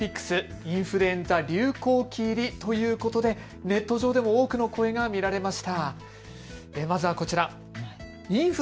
インフルエンザ流行期入りということでネット上でも多くの声が見られました。